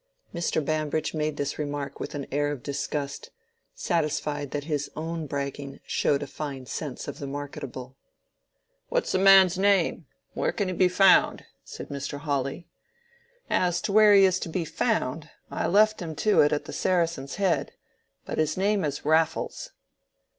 Mr. Bambridge made this remark with an air of disgust, satisfied that his own bragging showed a fine sense of the marketable. "What's the man's name? Where can he be found?" said Mr. Hawley. "As to where he is to be found, I left him to it at the Saracen's Head; but his name is Raffles."